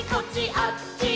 あっち！」